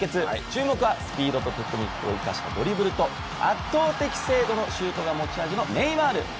注目はスピードとテクニックを生かしたドリブルと圧倒的精度のシュートが持ち味のネイマール。